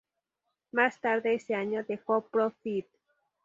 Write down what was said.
Más tarde ese año, dejó Pro-Fit.